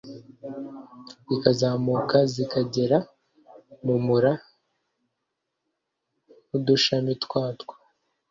zikazamuka zikagera mu mura n'udushami twawo